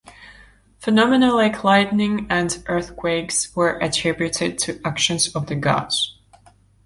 Phenomena like lightning and earthquakes were attributed to actions of the gods.